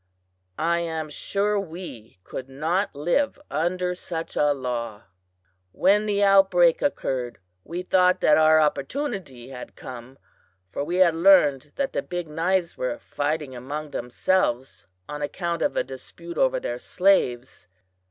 "I am sure we could not live under such a law. "When the outbreak occurred, we thought that our opportunity had come, for we had learned that the Big Knives were fighting among themselves, on account of a dispute over their slaves.